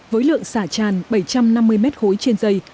với lượng xả tràn bảy trăm năm mươi mét khối trên dây